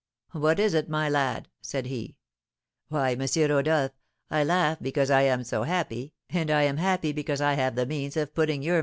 'What is it, my lad?' said he. 'Why, M. Rodolph, I laugh because I am so happy, and I am happy because I have the means of putting your M.